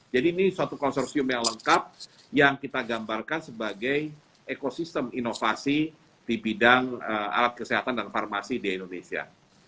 jadi ini satu konsorsium yang lengkap yang kita gambarkan sebagai ekosistem inovasi di bidang alat kesehatan dan farmasi di indonesia